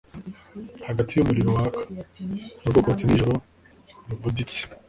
hagati y’umuriro waka, mu rwokotsi n’ijoro ribuditse;